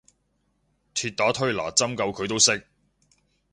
鐵打推拿針灸佢都識